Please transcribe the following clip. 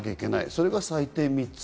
それが最低３つ。